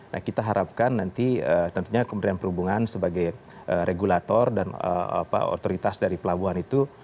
nah kita harapkan nanti tentunya kementerian perhubungan sebagai regulator dan otoritas dari pelabuhan itu